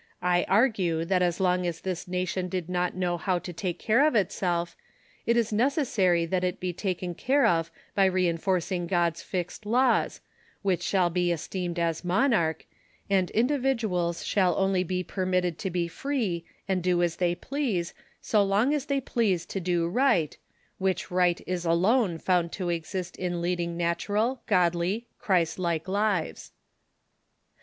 I argue that as long as this nation did not know how to take care of itself, it is necessary that it be taken care of by enforcing God's fixed laws, wliich shall be es teemed as monarch, and individuals shall only be permitted to be free and do as tliey please so long as they please to do right, wliich right is alone found to exist in leading natu ral, godly, Christ like lives.